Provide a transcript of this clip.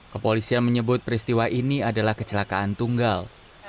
kepolisian menyebut peristiwa ini adalah kecelakaan tunggal